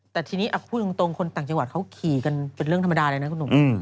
แต่ทีนี้พูดตรงคนต่างจังหวัดเขาขี่กันเป็นเรื่องธรรมดาเลยนะคุณหนุ่ม